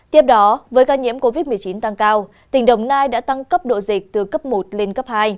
tiếp đó với ca nhiễm covid một mươi chín tăng cao tỉnh đồng nai đã tăng cấp độ dịch từ cấp một lên cấp hai